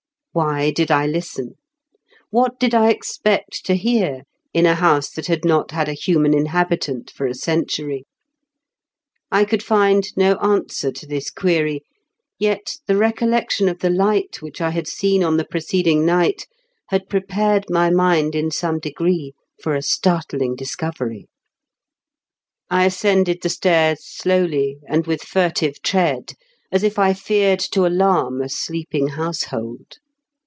Why did I listen? What did I expect to hear in a house that had not had a human inhabitant for a century ? I could find no answer to this query, yet the recollection of the light which I had seen on the preceding night had prepared my mind in some degree I ascended the stairs slowly, and with fortive tread, as if I feared to alarm a sleeping household.